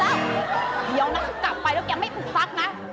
เดี๋ยวนะกลับไปแล้วแกไม่ปลูกซักนะ